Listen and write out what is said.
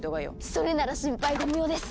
それなら心配ご無用です！